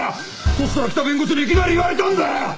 そしたら来た弁護士にいきなり言われたんだよ！